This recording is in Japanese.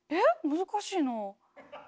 難しいなあ。